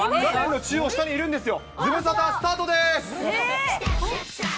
中央下にいるんですよ。